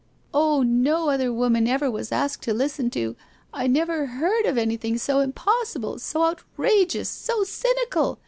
' Oh, uo other woman ever was asked to listen to — I never heard of anything so impossible, so outrageous, so cynical